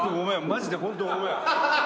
マジでホントごめん。